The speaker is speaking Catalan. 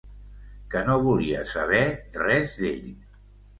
Que no volia saber res d'ell.